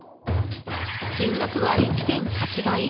金額は１．８倍。